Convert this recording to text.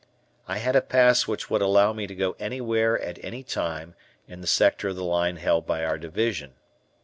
I had a pass which would allow me to go anywhere at any time in the sector of the line held by our division.